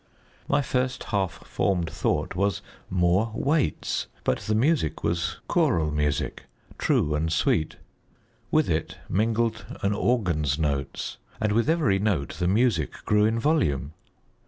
My first half formed thought was, "more Waits," but the music was choral music, true and sweet; with it mingled an organ's notes, and with every note the music grew in volume.